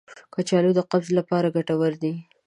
کچالو د قبض لپاره ګټور دی.